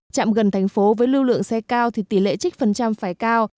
trạm gần thành phố với lưu lượng xe cao thì tỷ lệ trích phần trăm phải cao